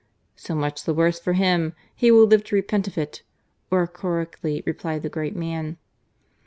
" So much the worse for him. He will live to repent of it !" oracularly replied the great man.